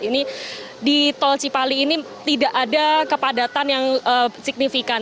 ini di tol cipali ini tidak ada kepadatan yang signifikan